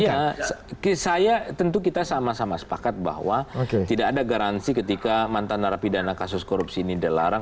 iya saya tentu kita sama sama sepakat bahwa tidak ada garansi ketika mantan narapidana kasus korupsi ini dilarang